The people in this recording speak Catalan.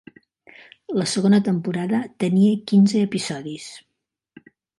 La segona temporada tenia quinze episodis.